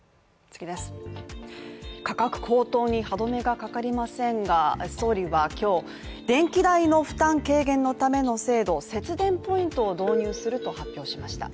価格高騰に歯止めがかかりませんが総理は今日、電気代の負担軽減のための制度節電ポイントを導入すると発表しました。